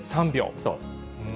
そう。